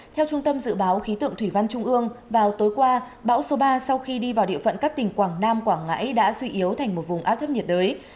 theo trung tâm dự báo khí tượng thủy văn trung ương vào tối qua bão số ba sau khi đi vào địa phận các tỉnh quảng nam quảng ngãi đã suy yếu thành một vùng áp thấp nhiệt đới